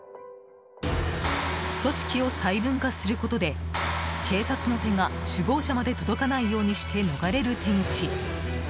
組織を細分化することで警察の手が首謀者まで届かないようにして逃れる手口。